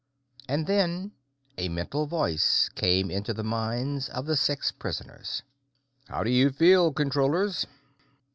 And then a mental voice came into the minds of the six prisoners. "How do you feel, Controllers?"